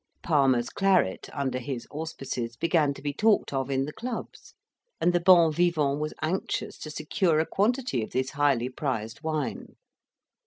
Palmer's claret, under his auspices, began to be talked of in the clubs; and the bon vivant was anxious to secure a quantity of this highly prized wine.